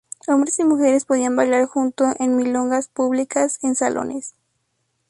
Hombres y mujeres podían bailar juntos en milongas públicas, en salones.